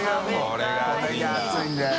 これが熱いんだよ。